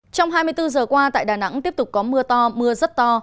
trong hai mươi bốn giờ qua tại đà nẵng tiếp tục có mưa to mưa rất to